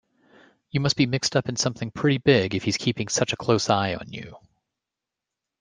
You must be mixed up in something pretty big if he's keeping such a close eye on you.